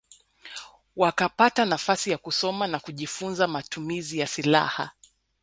Wakapata nafasi ya kusoma na kujifunza matumizi ya silaha